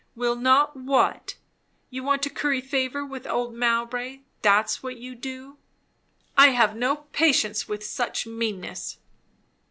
"Will not what? You want to curry favour with old Mowbray that's what you do. I have no patience with such meanness!"